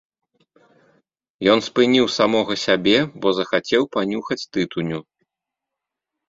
Ён спыніў самога сябе, бо захацеў панюхаць тытуню.